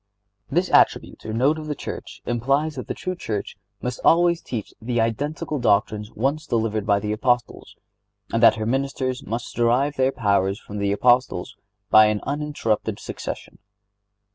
This attribute or note of the Church implies that the true Church must always teach the identical doctrines once delivered by the Apostles, and that her ministers must derive their powers from the Apostles by an uninterrupted succession.